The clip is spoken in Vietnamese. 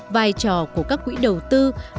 vai trò của các quỹ đầu tư đặc biệt là quỹ đầu tư